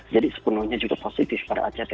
jadi sepenuhnya juga positif para act